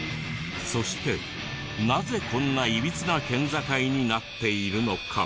そしてなぜこんないびつな県境になっているのか？